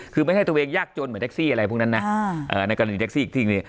คือไม่ใช่ตัวเองยากจนเหมือนแท็กซี่อะไรพวกนั้นนะในกรณีแท็กซี่ที่นี่